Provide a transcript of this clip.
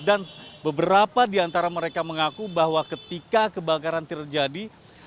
dan beberapa di antara mereka mengaku bahwa ketika kebakaran terjadi